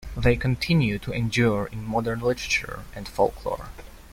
They continue to endure in modern literature and folklore.